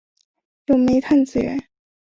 有煤炭资源。